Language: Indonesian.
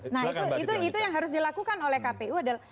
nah itu yang harus dilakukan oleh kpu adalah